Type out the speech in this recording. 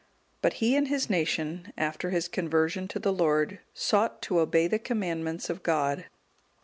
But he and his nation, after his conversion to the Lord, sought to obey the commandments of God.